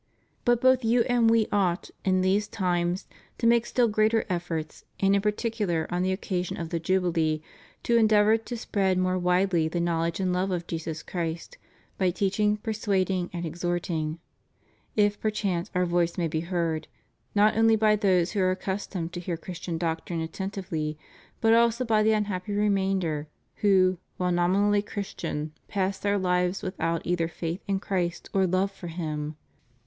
But both you and We ought, in these times, to make still greater efforts, and in particu lar on the occasion of the Jubilee, to endeavor to spread more widely the knowledge and love of Jesus Christ, by teaching, persuading, and exhorting, if perchance Our voice may be heard, not only by those who are accustomed to hear Christian doctrine attentively, but also by the unhappy remainder, who, while nominally Christian, pass their lives without either faith in Christ or love for Him.